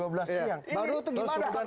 baru itu gimana